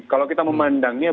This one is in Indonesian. kalau kita memandangnya